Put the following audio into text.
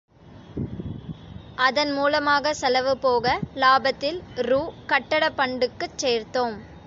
அதன் மூலமாக செலவு போக, லாபத்தில் ரூ. கட்டட பண்டுக்குச் சேர்த்தோம்.